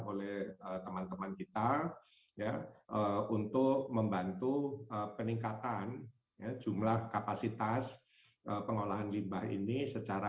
oleh teman teman kita ya untuk membantu peningkatan jumlah kapasitas pengolahan limbah ini secara